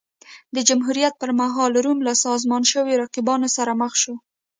د جمهوریت پرمهال روم له سازمان شویو رقیبانو سره مخ شو